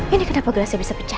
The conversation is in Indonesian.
ini kenapa gelasnya bisa pecah